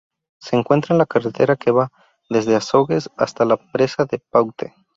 Se encuentra en la carretera que va desde Azogues hasta la presa de Paute.